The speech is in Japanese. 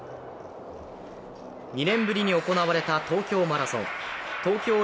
２年ぶりに行われた東京マラソン。